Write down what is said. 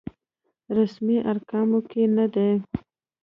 رسمي ارقامو کې نه دی.